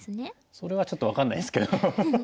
それはちょっと分かんないんですけど。